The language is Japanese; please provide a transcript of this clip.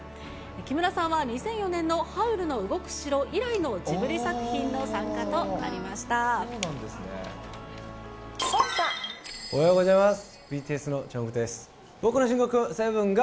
木村さんは２００４年のハウルの動く城以来のジブリ作品の参加とおはようございます。